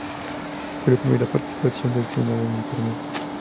Fue la primera participación del seleccionado en el torneo.